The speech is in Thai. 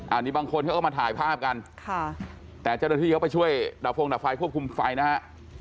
อันนี้บางคนเขาก็มาถ่ายภาพกันค่ะแต่เจ้าหน้าที่เขาไปช่วยดับฟงดับไฟควบคุมไฟนะฮะ